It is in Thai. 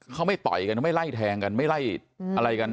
เขาไม่ต่อยกันไม่ไล่แทงกันไม่ไล่อะไรกัน